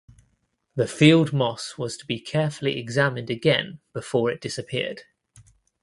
The field moss was to be carefully examined again before it disappeared.